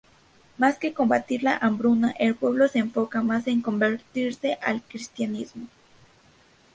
Más que combatir la hambruna, el pueblo se enfoca más en convertirse al cristianismo.